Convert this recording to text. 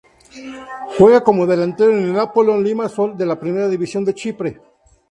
Juega como delantero en el Apollon Limassol de la Primera División de Chipre.